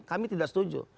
kami tidak setuju